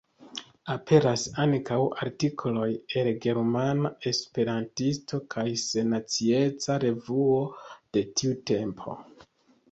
Aperas ankaŭ artikoloj el Germana Esperantisto kaj Sennacieca Revuo de tiu tempo.